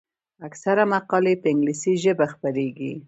اکثره مقالې په انګلیسي ژبه خپریږي.